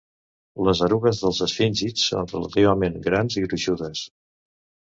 Les erugues dels esfíngids són relativament grans i gruixudes.